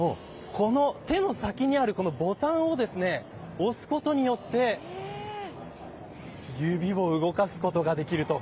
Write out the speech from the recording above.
手の先にあるボタンを押すことによって指を動かすことができると。